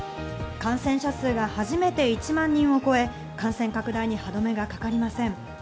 感染者数が初めて１万人を超え感染拡大に歯止めがかかりません。